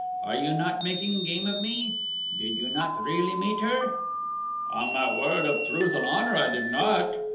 Are you not making game of me? Did you not really meet with her?" "On my word of truth and honor, I did not.